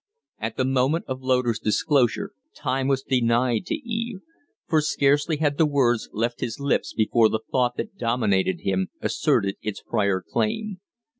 At the moment of Loder's disclosure time was denied to Eve; for scarcely had the words left his lips before the thought that dominated him asserted its prior claim.